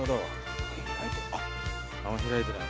・あんま開いてない。